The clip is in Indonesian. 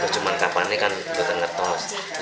cuman kapan ini kan betul betul